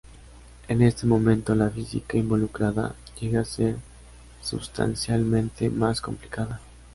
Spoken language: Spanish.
En este momento, la física involucrada llega a ser substancialmente más complicada.